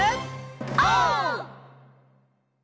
オー！